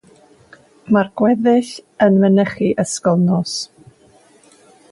Mae'r gweddill yn mynychu ysgol nos.